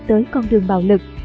tới con đường bạo lực